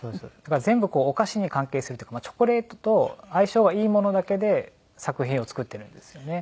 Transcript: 全部お菓子に関係するっていうかチョコレートと相性がいいものだけで作品を作っているんですよね。